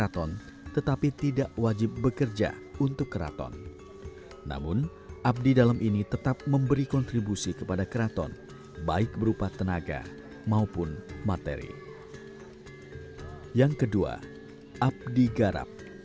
tujuh ekor kerbau kiai selamat alias kebubule pun rutin diajak